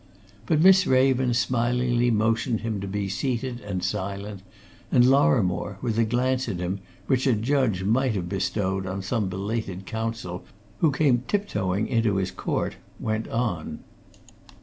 But Miss Raven smilingly motioned him to be seated and silent, and Lorrimore, with a glance at him which a judge might have bestowed on some belated counsel who came tip toeing into his court, went on.